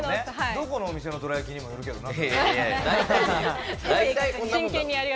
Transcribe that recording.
どこのお店のどら焼きかにもよるけどな。